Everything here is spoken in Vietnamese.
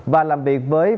và làm việc với